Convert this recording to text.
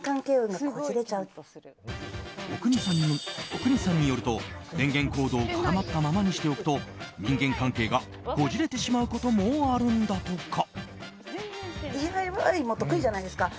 阿国さんによると電源コードを絡まったままにしておくと人間関係がこじれてしまうこともあるんだとか。